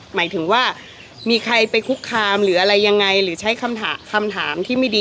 หมายถึงว่ามีใครไปคุกคามหรืออะไรยังไงหรือใช้คำถามที่ไม่ดี